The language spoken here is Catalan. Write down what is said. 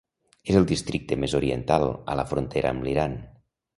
És el districte més oriental, a la frontera amb l'Iran.